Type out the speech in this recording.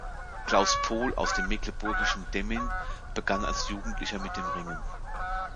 Klaus Pohl aus dem mecklenburgischen Demmin begann als Jugendlicher mit dem Ringen.